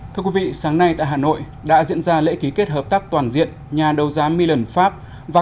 thưa quý vị sáng nay tại hà nội đã diễn ra lễ ký kết hợp tác toàn diện nhà đấu giá milan pháp và